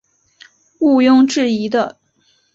无庸置疑的